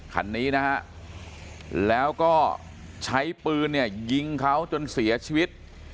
คันนี้นะฮะแล้วก็ใช้ปืนเนี่ยยิงเขาจนเสียชีวิต